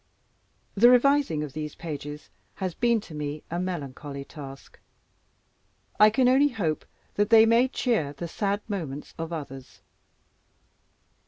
The revising of these pages has been to me a melancholy task. I can only hope that they may cheer the sad moments of others.